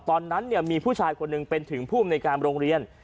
ตอนนั้นมีผู้ชายคนหนึ่งเป็นถึงผู้อำนวยการโรงเรียน